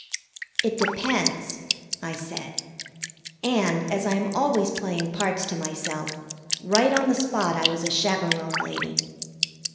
"It depends," I said, and, as I am always playing parts to myself, right on the spot I was a chaperon lady.